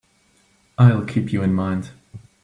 I'll keep you in mind.